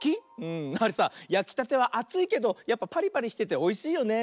あれさやきたてはあついけどやっぱパリパリしてておいしいよね。